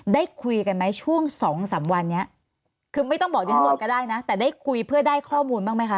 ได้คุยกันไหมช่วงสองสามวันนี้คือไม่ต้องบอกดิฉันหมดก็ได้นะแต่ได้คุยเพื่อได้ข้อมูลบ้างไหมคะ